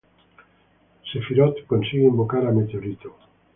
Sefirot consigue invocar a Meteorito.